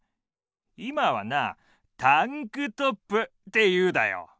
今はなタンクトップっていうだよ。